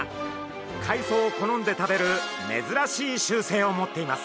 海藻を好んで食べる珍しい習性を持っています。